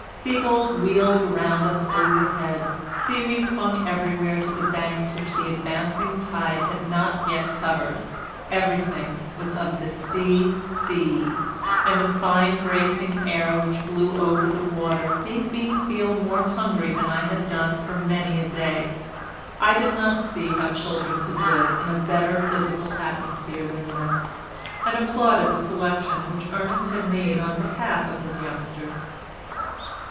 Sea gulls wheeled around us overhead, sea weed clung everywhere to the banks which the advancing tide had not yet covered, everything was of the sea sea ey, and the fine bracing air which blew over the water made me feel more hungry than I had done for many a day; I did not see how children could live in a better physical atmosphere than this, and applauded the selection which Ernest had made on behalf of his youngsters.